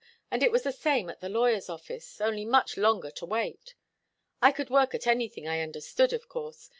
And it was the same at the lawyer's office only much longer to wait. I could work at anything I understood, of course.